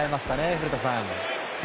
古田さん。